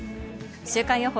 週間予報